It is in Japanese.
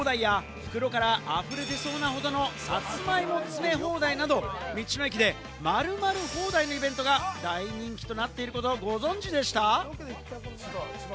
タマネギの詰め放題や袋から溢れ出そうなほどのサツマイモ詰め放題など道の駅で〇〇放題のイベントが大人気となっていること、ご存知でした？